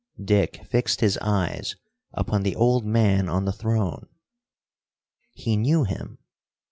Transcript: Dick fixed his eyes upon the old man on the throne. He knew him!